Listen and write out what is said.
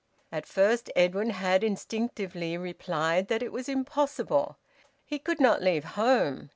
At first Edwin had instinctively replied that it was impossible. He could not leave home.